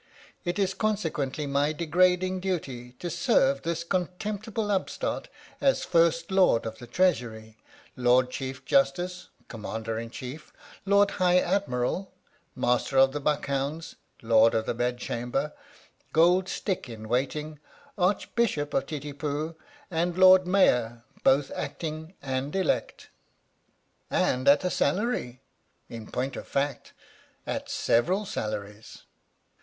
It is con sequently my degrading duty to serve this contempt ible upstart as First Lord of the Treasury, Lord Chief Justice, Commander in Chief, Lord High Admiral, Master of the Buckhounds, Lord of the Bedchamber, Gold Stick in Waiting, Archbishop of Titipu, and Lord Mayor, both acting and elect. 26 THE STORY OF THE MIKADO And at a salary! In point of fact, at several salaries!